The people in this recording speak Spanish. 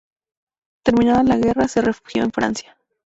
Terminada la guerra, se refugió en Francia.